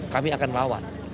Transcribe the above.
kami akan lawan